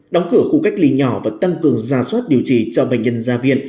đóng cửa khu cách ly nhỏ và tăng cường gia soát điều trị cho bệnh nhân gia viện